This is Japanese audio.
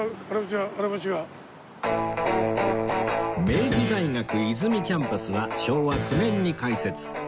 明治大学和泉キャンパスは昭和９年に開設